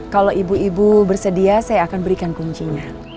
kalau ibu ibu bersedia saya akan berikan kuncinya